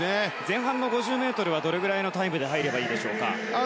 前半の５０ｍはどれぐらいのタイムで入ればいいでしょうか。